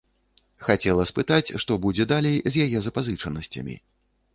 Хацела спытаць, што будзе далей з яе запазычанасцямі.